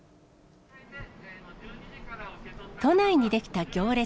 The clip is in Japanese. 都内に出来た行列。